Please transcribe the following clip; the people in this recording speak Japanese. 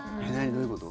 どういうこと？